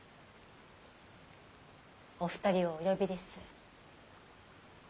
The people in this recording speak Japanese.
お二人をお呼びです。